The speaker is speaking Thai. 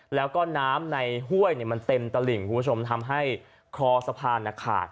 แล้วก็น้ำในห้วยมันเต็มตลิ่งคุณผู้ชมทำให้คอสะพานขาด